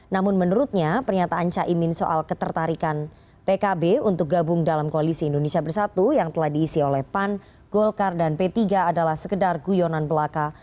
namun menurutnya pernyataan caimin soal ketertarikan pkb untuk gabung dalam koalisi indonesia bersatu yang telah diisi oleh pan golkar dan p tiga adalah sekedar guyonan belaka